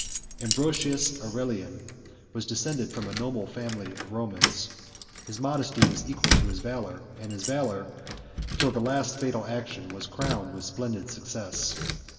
Ambrosius Aurelian was descended from a noble family of Romans; 138 his modesty was equal to his valor, and his valor, till the last fatal action, 139 was crowned with splendid success.